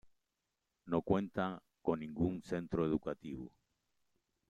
No cuenta con ningún centro educativo.